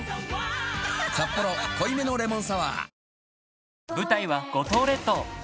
「サッポロ濃いめのレモンサワー」